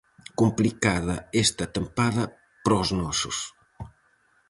Complicada esta tempada para os nosos.